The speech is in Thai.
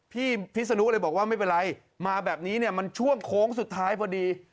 พิศนุเลยบอกว่าไม่เป็นไรมาแบบนี้เนี่ยมันช่วงโค้งสุดท้ายพอดี